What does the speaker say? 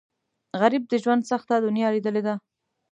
غریب د ژوند سخته دنیا لیدلې ده